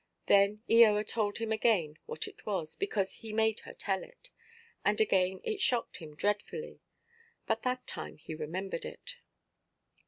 Then Eoa told him again what it was, because he made her tell it; and again it shocked him dreadfully; but that time he remembered it.